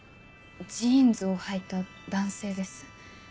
ジーンズをはいた男性です。